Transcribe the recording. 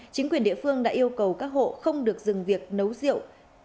chính quyền địa phương đã yêu cầu các hộ không được dừng việc nấu rượu